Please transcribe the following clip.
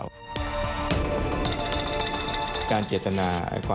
มีความรู้สึกว่ามีความรู้สึกว่า